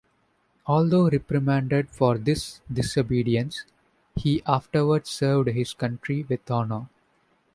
Although reprimanded for this disobedience, he afterward served his country with honor.